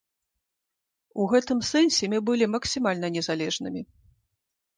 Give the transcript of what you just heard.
У гэтым сэнсе мы былі максімальна незалежнымі.